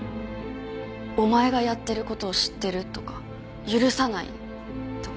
「お前がやってる事を知ってる」とか「許さない」とか。